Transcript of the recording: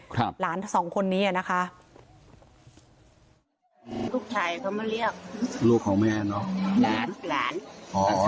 หลานสองคนนี้อ่ะนะคะลูกชายเขามาเรียกลูกของแม่เนอะหลานหลานอ๋อ